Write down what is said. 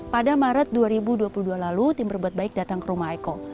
pada maret dua ribu dua puluh dua lalu tim berbuat baik datang ke rumah eko